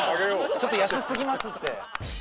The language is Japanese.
ちょっと安すぎますって。